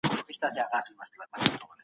اسي خپله لاره په خپل عمر کي پای ته ورسول.